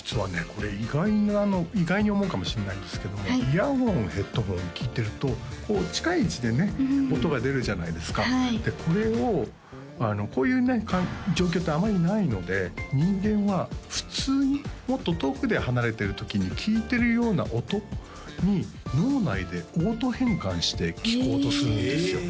これ意外に思うかもしれないんですけどもイヤホンヘッドホンで聴いてるとこう近い位置でね音が出るじゃないですかでこれをこういう状況ってあまりないので人間は普通にもっと遠くで離れてるときに聴いてるような音に脳内でオート変換して聴こうとするんですよ